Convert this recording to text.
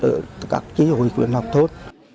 ở các chế hội quyền học thốt